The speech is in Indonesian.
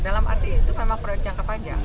dalam arti itu memang proyek yang kepanjang